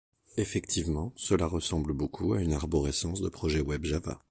Effectivement, cela ressemble beaucoup à une arborescence de projet web Java.